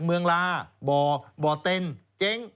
เมืองลาบ่อเต็นเจ๊ง